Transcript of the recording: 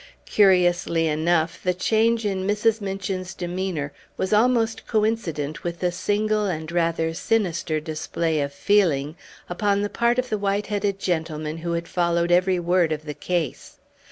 Curiously enough, the change in Mrs. Minchin's demeanor was almost coincident with the single and rather sinister display of feeling upon the part of the white haired gentleman who had followed every word of the case.